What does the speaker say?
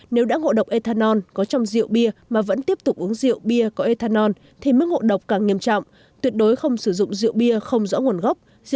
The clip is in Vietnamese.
nếu đã ngộ độc ethanol có trong rượu bia mà vẫn tiếp tục uống rượu bia có ethanol thì mức ngộ độc càng nghiêm trọng